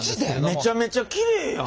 めちゃめちゃきれいやん！